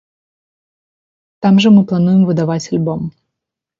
Там жа мы плануем выдаваць альбом.